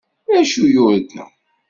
D acu i yurga?